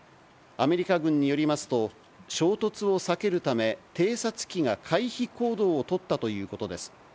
アメリカ軍によりますと、衝突を避けるため、偵察機が回避行動を取ったということです。